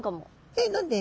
えっ何で？